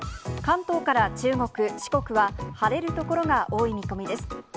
関東から中国、四国は、晴れる所が多い見込みです。